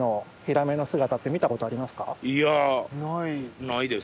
いやないです。